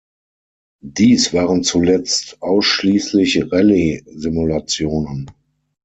Dies waren zuletzt ausschließlich Rallye-Simulationen.